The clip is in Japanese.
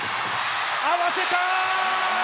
合わせた！